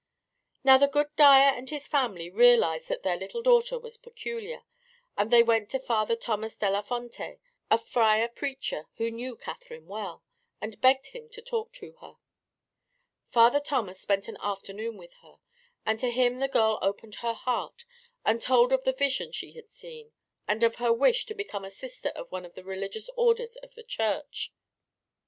Now the good dyer and his wife realized that their little daughter was peculiar, and they went to Father Thomas della Fonte, a friar preacher who knew Catherine well, and begged him to talk to her. Father Thomas spent an afternoon with her, and to him the girl opened her heart and told of the vision she had seen and of her wish to become a sister of one of the religious orders of the church.